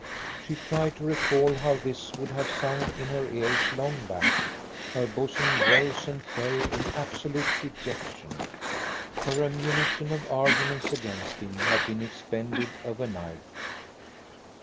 She tried to recall how this would have sung in her cars long back. Her bosom rose and fell in absolute dejection. Her ammunition of arguments against him had been expended overnight.